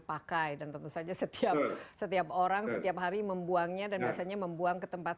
pakai dan tentu saja setiap setiap orang setiap hari membuangnya dan biasanya membuang ke tempat